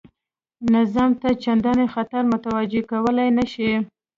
نظام ته چنداني خطر متوجه کولای نه شي.